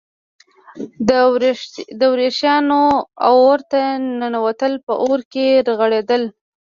درویشان اورته ننوتل او په اور کې رغړېدل.